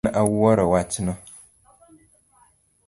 An awuoro wachno